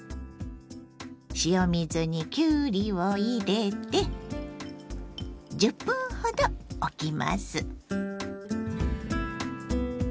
塩水にきゅうりを入れて１０分ほどおきます。